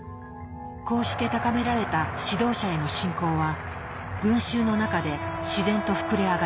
こうして高められた指導者への信仰は群衆の中で自然と膨れ上がります。